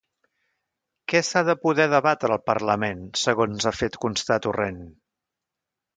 Què s'ha de poder debatre al parlament segons ha fet constar Torrent?